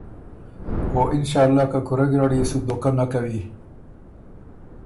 او اِنشأاللّٰه که کُورۀ ګیرډ يې سو دهوکۀ نک کوی۔